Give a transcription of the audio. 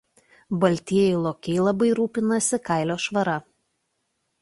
Baltieji lokiai labai rūpinasi kailio švara.